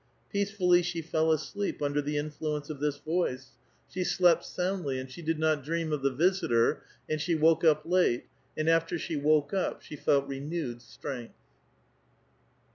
Peace fidly she fell asleei) under the influence of this voice ; she ^ M<nmUui, A VITAL QUESTION. 261 ept soundly, and she did not dream of the " visitor," and lie woke up late, and after she woke up she felt renewed '(rength.